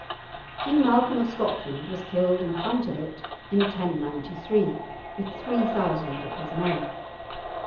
King Malcolm of Scotland was killed in front of it, in 1093, with three thousand of his men.